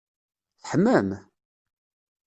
Teḥmam!